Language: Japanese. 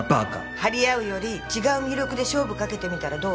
張り合うより違う魅力で勝負かけてみたらどう？